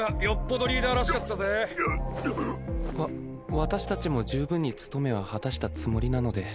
私たちも十分に務めは果たしたつもりなので。